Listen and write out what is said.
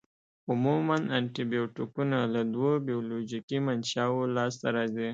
عموماً انټي بیوټیکونه له دوو بیولوژیکي منشأوو لاس ته راځي.